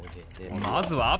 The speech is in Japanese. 「まずは」